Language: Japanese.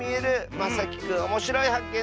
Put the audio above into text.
まさきくんおもしろいはっけん